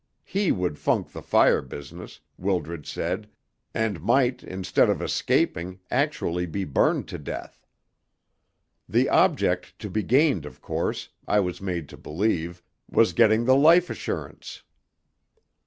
He would funk the fire business, Wildred said, and might, instead of escaping, actually be burned to death. The object to be gained, of course, I was made to believe, was getting the life assurance.